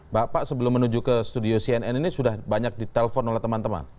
bapak sebelum menuju ke studio cnn ini sudah banyak ditelepon oleh teman teman